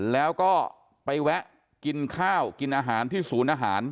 แล้วก็ไปแวะกินข้าวกินอาหารที่ศูนย์อาหาร